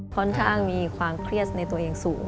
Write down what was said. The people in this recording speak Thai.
ค่อนข้างมีความเครียดในตัวเองสูง